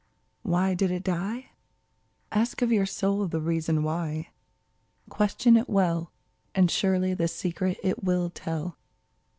46 ONCE Why did it die ? Ask of your soul the reason why ! Question it well, And surely the secret it will tell.